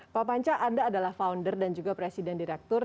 pak panca anda adalah founder dan juga presiden direktur